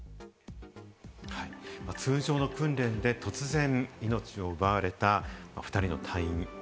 通常の訓練で突然命を奪われた２人の隊員。